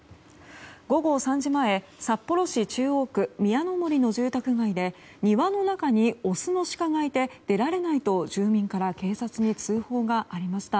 午後３時前、札幌市中央区宮の森の住宅街で庭の中にオスのシカがいて出られないと住民から警察に通報がありました。